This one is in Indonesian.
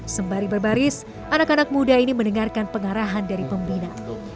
sembari berbaris anak anak muda ini mendengarkan pengarahan dari pembina